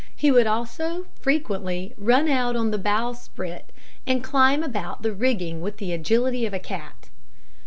He would also frequently run out on the bowsprit, and climb about the rigging with the agility of a cat.